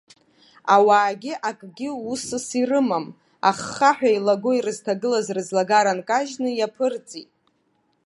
Ауаагьы акгьы усыс ирымам, аххаҳәа илаго ирызҭагылаз рыӡлагара нкажьны иаԥырҵит.